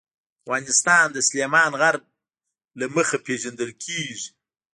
افغانستان د سلیمان غر له مخې پېژندل کېږي.